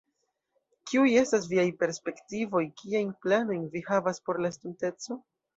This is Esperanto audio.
Kiuj estas viaj perspektivoj, kiajn planojn vi havas por la estonteco?